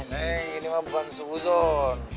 neng ini mah bukan sudon